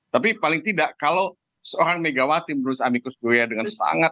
tapi paling tidak kalau seorang megawati menulis amicus dua e dengan sangat